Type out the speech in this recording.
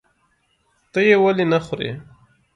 ته یې ولې نخورې؟